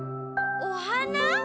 おはな？